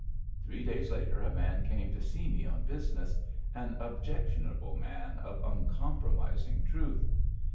Three days later a man came to see me on busi nesSy an objectionable man of uncompromising truth.